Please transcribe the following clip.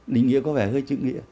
định nghĩa có vẻ hơi chữ nghĩa